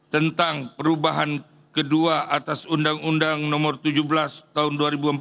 tentang perubahan kedua atas undang undang nomor tujuh belas tahun dua ribu empat belas